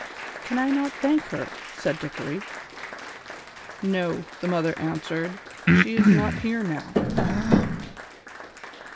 "Can I not thank her?" said Dickory. "No," the mother answered, "she is not here now."